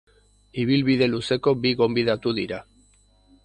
Ibilbide luzeko bi gonbidatu dira.